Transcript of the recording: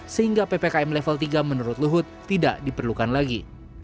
sehingga ppkm level tiga menurut luhut tidak diperlukan lagi